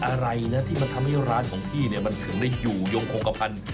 อะไรนะที่มันทำให้ร้านของพี่เนี่ยมันถึงได้อยู่ยงคงกระพันธุ์